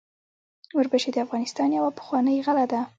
وربشې د افغانستان یوه پخوانۍ غله ده.